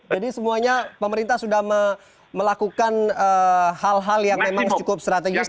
jadi semuanya pemerintah sudah melakukan hal hal yang memang cukup strategis